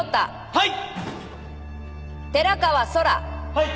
はい。